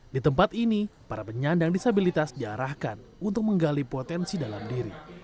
di tempat ini para penyandang disabilitas diarahkan untuk menggali potensi dalam diri